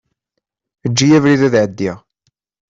Eǧǧ-iyi abrid ad ɛeddiɣ.